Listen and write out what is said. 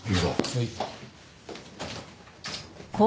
はい。